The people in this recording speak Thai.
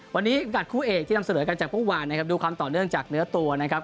วันนี้กัดคู่เอกที่นำเสนอกันจากเมื่อวานนะครับดูความต่อเนื่องจากเนื้อตัวนะครับ